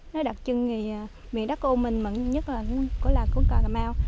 nó đặc trưng thì miền đất của âu minh mà nhất là của làng của cà mau